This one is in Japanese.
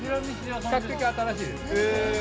◆比較的新しいです。